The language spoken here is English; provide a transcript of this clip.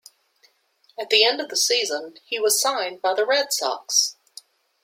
At the end of the season he was signed by the Red Sox.